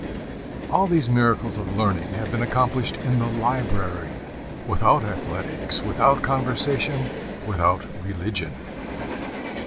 All these miracles of learning have been accomplished in the library without athletics, without conversation, without religion.